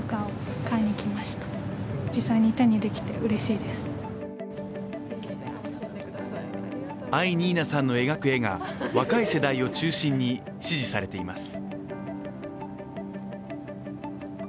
そのお目当ては藍にいなさんの描く絵が若い世代を中心に支持されています。